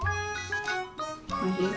おいしい？